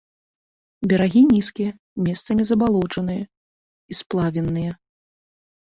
Берагі нізкія, месцамі забалочаныя і сплавінныя.